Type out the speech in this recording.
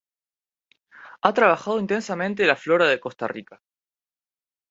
Ha trabajado intensamente la flora de Costa Rica.